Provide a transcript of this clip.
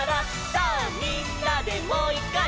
「さぁみんなでもういっかい」